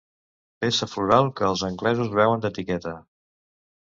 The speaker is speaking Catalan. Peça floral que els anglesos veuen d'etiqueta.